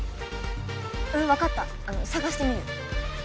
うん分かった捜してみる。